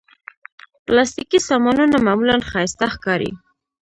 پلاستيکي سامانونه معمولا ښايسته ښکاري.